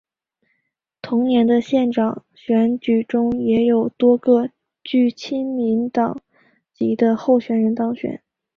同年的县市长选举中也有多个具亲民党籍的候选人当选。